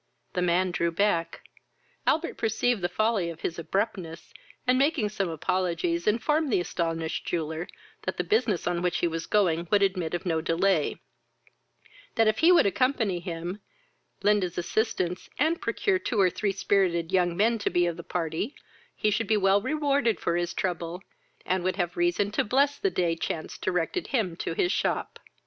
The man drew back: Albert perceived the folly of his abruptness, and, making some apologies, informed the astonished jeweller, that the business on which he was going would admit of no delay, that if he would accompany him, lend his assistance, and procure two or three spirited young men to be of the party, he should be well rewarded for his trouble, and would have reason to bless the day chance directed him to his shop.